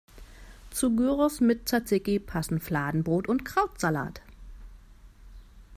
Zu Gyros mit Tsatsiki passen Fladenbrot und Krautsalat.